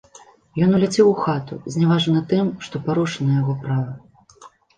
Ён уляцеў у хату, зняважаны тым, што парушана яго права.